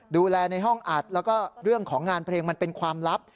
ในห้องอัดแล้วก็เรื่องของงานเพลงมันเป็นความลับ